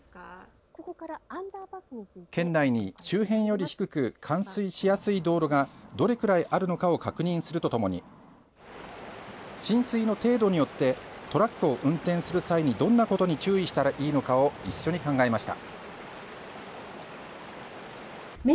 県内に周辺より低く冠水しやすい道路がどれくらいあるのかを確認するとともに浸水の程度によってトラックを運転する際にどんなことに注意したらいいのかを一緒に考えました。